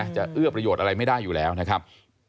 เอื้อประโยชน์อะไรไม่ได้อยู่แล้วนะครับ